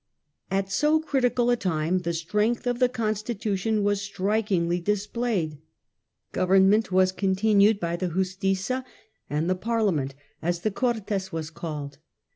At so critical a time the strength of the Constitution Dispixted was strikingly displayed. Government was continued ^^'^^^^^j^" by the Justiza and the Parhament, as the Cortes was 1410 called.